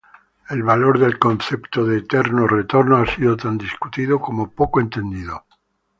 El valor del concepto de eterno retorno ha sido tan discutido como poco entendido.